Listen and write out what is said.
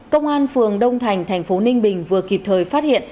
công an phường đông thành thành phố ninh bình vừa kịp thời phát hiện